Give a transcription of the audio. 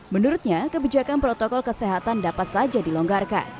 menurutnya kebijakan protokol kesehatan dapat saja dilonggarkan